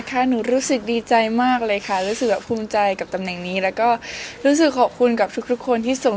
ขอบคุณทีพีเอ็นที่เปิดโอกาสให้หนูได้ขึ้นมาประกวดค่ะ